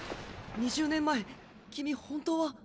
２０年前君本当は。